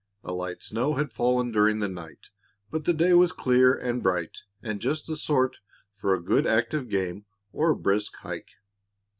A light snow had fallen during the night, but the day was clear and bright and just the sort for a good active game or a brisk hike.